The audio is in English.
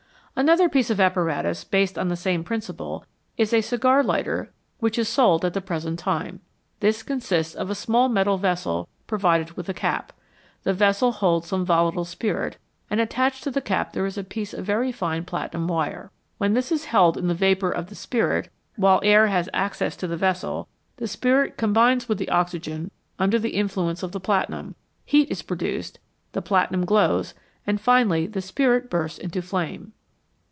Another piece of apparatus, based on the same principle, is a cigar lighter which is sold at the present time. This consists of a small metal vessel provided with a cap ; the vessel holds some volatile spirit, and attached to the cap there is a piece of very fine platinum wire. When this is held in the vapour of the spirit, 126 HOW FIRE IS MADE while air has access to the vessel, the spirit combines with the oxygen under the influence of the platinum, heat is produced, the platinum glows, and finally the spirit bursts into flame.